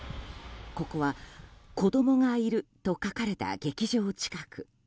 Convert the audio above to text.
ここは子供がいると書かれた劇場近く。